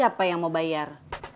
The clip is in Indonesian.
siapa yang mau bayar